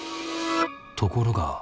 ところが。